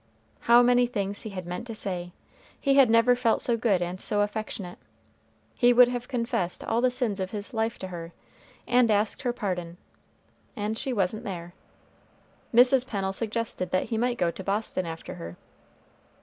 How many things he had meant to say! He had never felt so good and so affectionate. He would have confessed all the sins of his life to her, and asked her pardon and she wasn't there! Mrs. Pennel suggested that he might go to Boston after her.